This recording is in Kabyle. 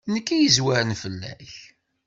Nekk i yezwaren fell-ak.